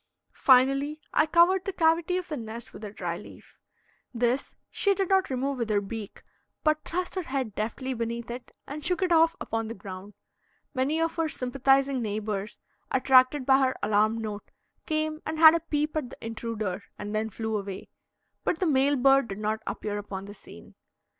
Finally, I covered the cavity of the nest with a dry leaf. This she did not remove with her beak, but thrust her head deftly beneath it and shook it off upon the ground. Many of her sympathizing neighbors, attracted by her alarm note, came and had a peep at the intruder and then flew away, but the male bird did not appear upon the scene.